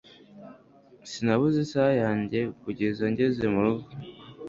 sinabuze isaha yanjye kugeza ngeze murugo